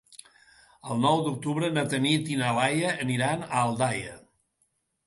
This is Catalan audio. El nou d'octubre na Tanit i na Laia aniran a Aldaia.